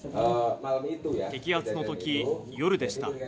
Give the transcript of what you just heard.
摘発のとき、夜でした。